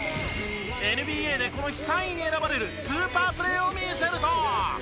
ＮＢＡでこの日３位に選ばれるスーパープレーを見せると。